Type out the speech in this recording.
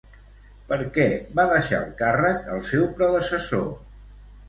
Per què va deixar el càrrec el seu predecessor?